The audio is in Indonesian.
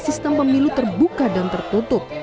sistem pemilu terbuka dan tertutup